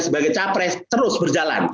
sebagai capres terus berjalan